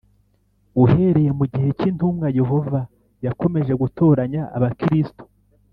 Uhereye mu gihe cy intumwa Yehova yakomeje gutoranya Abakristo